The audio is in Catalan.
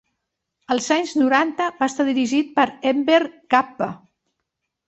Als anys noranta, va estar dirigit per Enver Kapba.